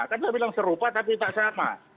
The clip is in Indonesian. kan saya bilang serupa tapi tak sama